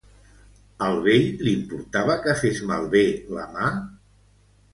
Al vell l'importava que fes malbé la mà?